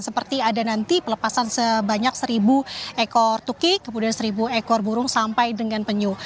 seperti ada nanti pelepasan sebanyak seribu ekor tukik kemudian seribu ekor burung sampai dengan penyu